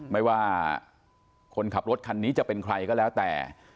ไม่ว่าคนขับรถคันนี้จะเป็นใครก็แล้วแต่